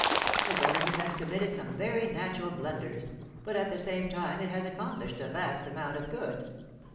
The government has committed some very natural blunders, but at the same time it has accomplished a vast amount of good.